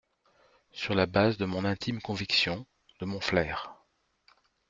Sur la base de mon intime conviction, de mon flair ?